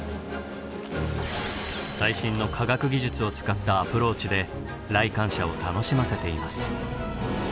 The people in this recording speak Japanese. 最新の科学技術を使ったアプローチで来館者を楽しませています。